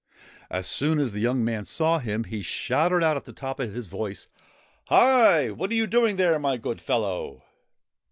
As soon as the young man saw him, he shouted out at the top of his voice : 'Hi! What are you doing there, my good fellow?'